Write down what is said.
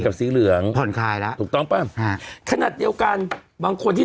สีเหลืองผ่อนคลายแล้วถูกต้องป่ะฮะขนาดเดียวกันบางคนที่